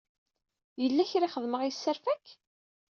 Yella kra i xedmeɣ yesserfa-k?